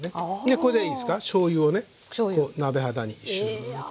これでいいですかしょうゆをこう鍋肌にシューッと。